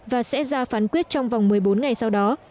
và sẽ ra phán quyết trong vòng một mươi bốn ngày sau đó